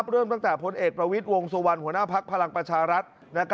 เริ่มตั้งแต่พลเอกประวิทย์วงสุวรรณหัวหน้าภักดิ์พลังประชารัฐ